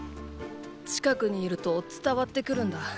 近くにいると伝わってくるんだ。